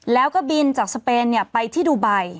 แล้วก็บินจากสเปนเนี่ยไปที่ดูบัย